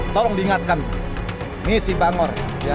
tolong diingatkan ini si bangor